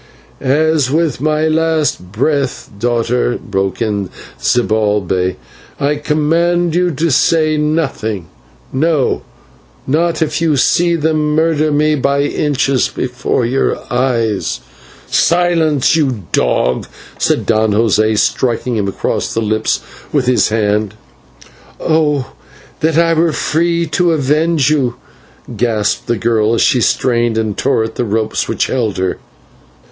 "As with my last breath, daughter," broke in Zibalbay, "I command you to say nothing, no, not if you see them murder me by inches before your eyes." "Silence, you dog," said Don José, striking him across the lips with his hand. "Oh! that I were free to avenge you!" gasped the girl as she strained and tore at the ropes which held her.